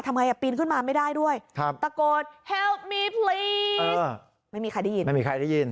ทำไมอ่ะปีนขึ้นมาไม่ได้ด้วยครับตะโกนไม่มีใครได้ยินไม่มีใครได้ยิน